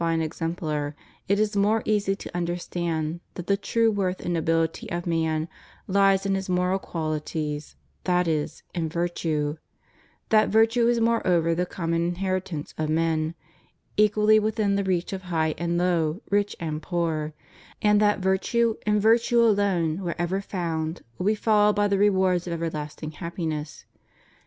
^ From contemplation of this divine exemplar, it is more easy to understand that the true worth and nobility of man lies in his moral qualities, that is, in virtue ; that virtue is moreover the common inheritr ance of men, equally within the reach of high and low, rich and poor; and that virtue, and virtue alone, wherever found, will be followed by the rewards of everlasting happiness.